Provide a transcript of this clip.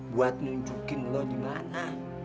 buat nunjukin lo dimana